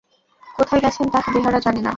কোথায় গেছেন তাহা বেহারা জানে না।